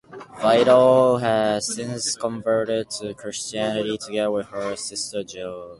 Vidal has since converted to Christianity together with her sister Jill.